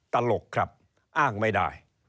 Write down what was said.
ตลกครับอ้างไม่ได้